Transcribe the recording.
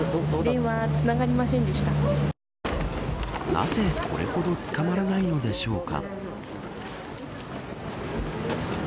なぜ、これほど捕まらないのでしょうか。